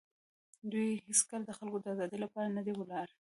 دوی هېڅکله د خلکو د آزادۍ لپاره نه دي ولاړ.